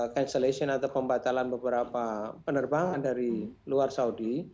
cancellation atau pembatalan beberapa penerbangan dari luar saudi